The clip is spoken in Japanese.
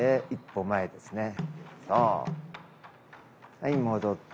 はい戻って。